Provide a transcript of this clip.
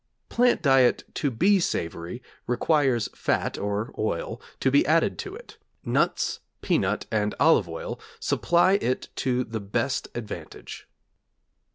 Plant diet to be savory requires fat, or oil, to be added to it; nuts, peanut, and olive oil, supply it to the best advantage.